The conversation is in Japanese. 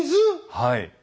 はい。